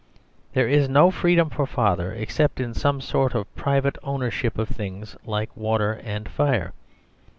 There is no freedom for Father except in some sort of private ownership of things like water and fire.